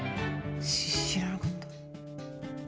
知らなかった。